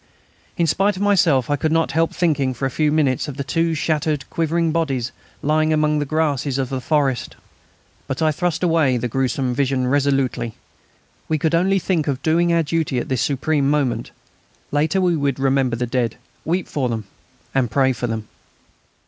In spite of myself I could not help thinking for a few minutes of the two shattered, quivering bodies lying among the grasses of the forest. But I thrust away the gruesome vision resolutely. We could only think of doing our duty at this supreme moment. Later we would remember the dead, weep for them, and pray for them.